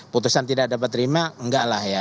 putusan tidak dapat terima enggak lah ya